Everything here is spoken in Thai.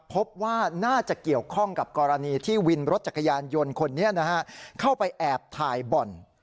พบว่าน่าจะเกี่ยวข้องกับกรณีที่วินรถจักรยานยนต์คนนี้เข้าไปแอบถ่ายบ่อน